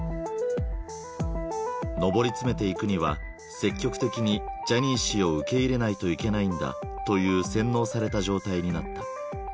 上り詰めていくには積極的にジャニー氏を受け入れないといけないんだという洗脳された状態になった。